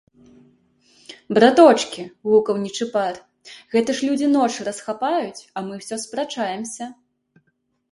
- Браточкi, - гукаў Нiчыпар, - гэта ж людзi ноч расхапаюць, а мы ўсё спрачаемся...